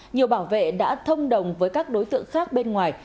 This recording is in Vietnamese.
nhiều bảo vệ đã thông đồng với các đối tượng khác bên ngoài